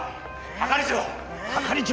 係長！